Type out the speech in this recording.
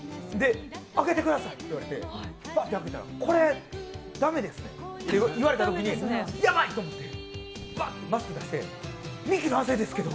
開けてくださいって言われて、バッと開けたらこれ、駄目ですねって言われたときにヤバい、マスクして、「ミキの亜生ですけど！」